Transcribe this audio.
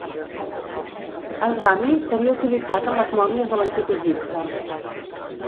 El rami s'havia utilitzat en les mòmies de l'antic Egipte.